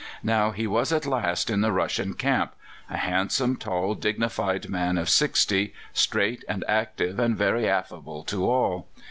Now he was at last in the Russian camp a handsome, tall, dignified man of sixty, straight and active, and very affable to all.